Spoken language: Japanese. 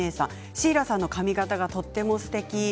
シーラさんの髪形がとてもすてき。